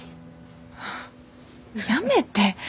やめて。